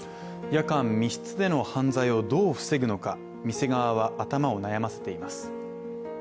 夜間、密室での犯罪をどう防ぐのか、店側は頭を悩ませています。